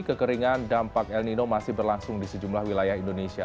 kekeringan dampak el nino masih berlangsung di sejumlah wilayah indonesia